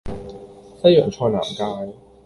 西洋菜南街